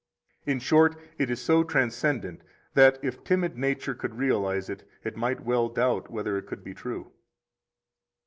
42 In short, it is so transcendent that if timid nature could realize it, it might well doubt whether it could be true.